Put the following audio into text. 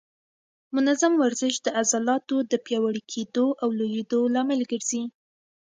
منظم ورزش د عضلاتو د پیاوړي کېدو او لویېدو لامل ګرځي.